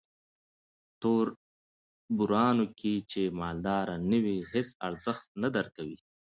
توربرونو کې چې مالداره نه وې هیس ارزښت نه درکوي.